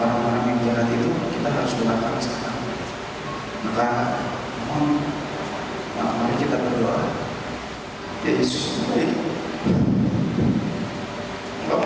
orang orang yang diberi hati itu kita harus berdoa